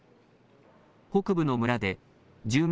北部の村で住民